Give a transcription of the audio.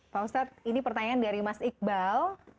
pak ustadz ini pertanyaan dari mas iqbal